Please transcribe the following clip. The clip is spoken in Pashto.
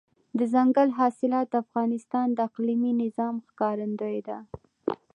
دځنګل حاصلات د افغانستان د اقلیمي نظام ښکارندوی ده.